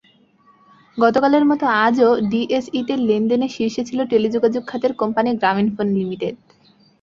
গতকালের মতো আজও ডিএসইতে লেনদেনে শীর্ষে ছিল টেলিযোগাযোগ খাতের কোম্পানি গ্রামীণফোন লিমিটেড।